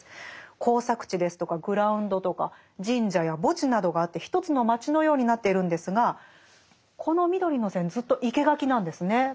耕作地ですとかグラウンドとか神社や墓地などがあって一つの街のようになっているんですがこの緑の線ずっと生け垣なんですね。